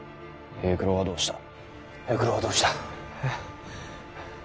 平九郎はどうした？え？